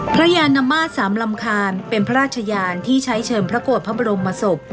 ยานมาตรสามลำคาญเป็นพระราชยานที่ใช้เชิมพระโกรธพระบรมศพ